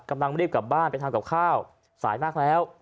กำลังรีบกลับบ้านไปทำกับข้าวสายมากแล้ว